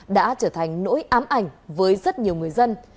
đã trở thành nỗi ám ảnh với rất nhiều người dân